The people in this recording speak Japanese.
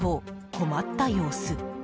困った様子。